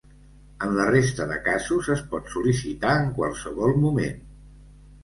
En la resta de casos, es pot sol·licitar en qualsevol moment.